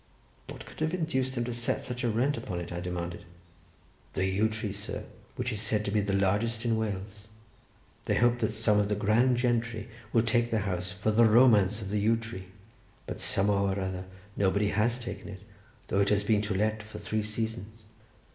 "What could have induced them to set such a rent upon it?" I demanded. "The yew tree, sir, which is said to be the largest in Wales. They hope that some of the grand gentry will take the house for the romance of the yew tree, but somehow or other nobody has taken it, though it has been to let for three seasons."